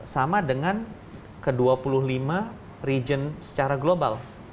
sama dengan ke dua puluh lima region secara global